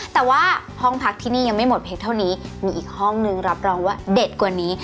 แต่ว่าห้องพักที่นี่ยังไม่หมดเพียงเท่านี้มีอีกห้องนึงรับรองว่าเด็ดกว่านี้